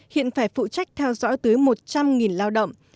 hiện phải phụ trách theo dõi tới một trăm linh lao động